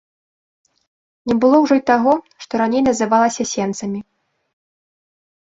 Не было ўжо і таго, што раней называлася сенцамі.